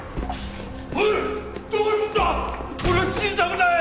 おい！